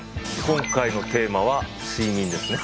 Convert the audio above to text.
今回のテーマは睡眠ですね？